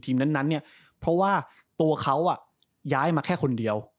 ทีมนั้นเพราะว่าตัวเขาย้ายมาแค่คนเดียว